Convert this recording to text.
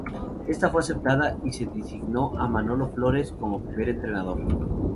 Ésta fue aceptada y se designó a Manolo Flores como primer entrenador.